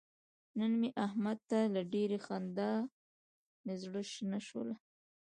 نن مې احمد ته له ډېرې خندا مې زره شنه شوله.